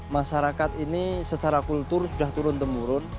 masyarakat ini secara kultur sudah turun temurun